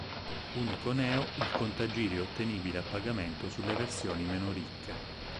Unico neo, il contagiri ottenibile a pagamento sulle versioni meno ricche.